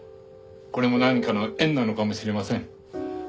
これも何かの縁なのかもしれません。